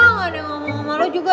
gak ada yang ngomong sama lo juga